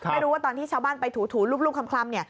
ไม่รู้ว่าตอนที่ชาวบ้านไปถูรูปคลำ